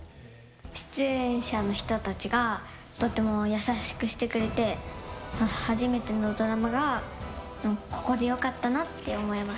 出演者の人たちがとっても優しくしてくれて、初めてのドラマがここでよかったなって思います。